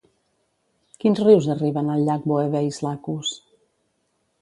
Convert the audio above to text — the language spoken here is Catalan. Quins rius arriben al llac Boebeis Lacus?